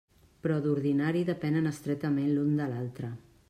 Però d'ordinari depenen estretament l'un de l'altre.